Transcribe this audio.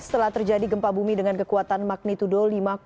setelah terjadi gempa bumi dengan kekuatan magnitudo lima tujuh